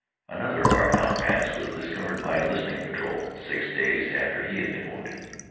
Another of our comrades was discovered by a listening patrol, six days after he had been wounded.